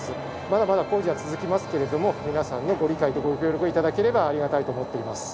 まだまだ工事は続きますけれども皆さんのご理解とご協力を頂ければありがたいと思っています。